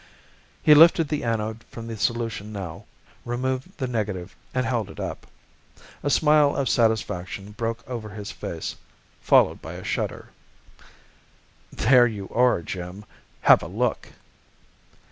He lifted the anode from the solution now, removed the negative, and held it up. A smile of satisfaction broke over his face, followed by a shudder. "There you are, Jim! Have a look!"